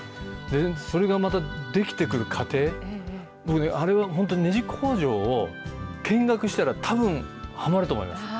それがまた出来てくる過程、僕ね、あれは本当にねじ工場を見学したら、たぶんはまると思います。